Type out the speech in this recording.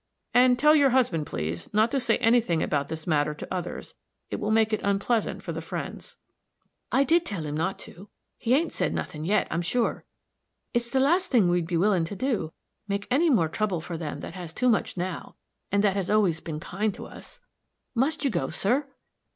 "And tell your husband, please, not to say any thing about this matter to others. It will make it unpleasant for the friends." "I did tell him not to. He ain't said nothin' yet, I'm sure. It's the last thing we'd be willin' to do, make any more trouble for them that has too much now, and that has always been kind to us. Must you go, sir?"